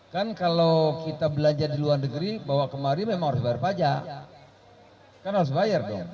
kan kalau kita belanja di luar negeri bahwa kemarin memang berpajak kan harus bayar dong